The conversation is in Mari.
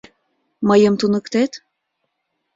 — Мыйым туныктет?